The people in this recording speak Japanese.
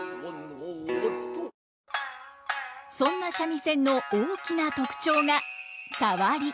そんな三味線の大きな特徴がサワリ。